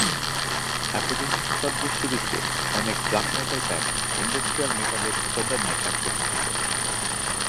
একবিংশ শতাব্দীর শুরুতে অনেক ব্ল্যাক মেটাল ব্যান্ড ইন্ডাস্ট্রিয়াল মেটালের উপাদান নিয়ে কাজ করতে থাকে।